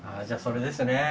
じゃあそれですね。